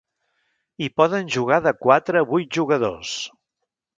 Hi poden jugar de quatre a vuit jugadors.